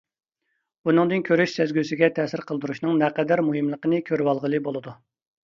بۇنىڭدىن كۆرۈش سەزگۈسىگە تەسىر قىلدۇرۇشنىڭ نەقەدەر مۇھىملىقىنى كۆرۈۋالغىلى بولىدۇ.